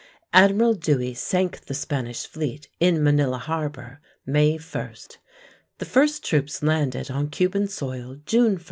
Admiral Dewey sank the Spanish fleet in Manila Harbor, May 1. The first troops landed on Cuban soil June 1.